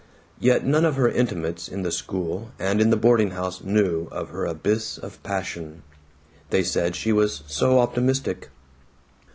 Yet none of her intimates in the school and in the boarding house knew of her abyss of passion. They said she was "so optimistic."